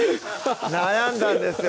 悩んだんですよ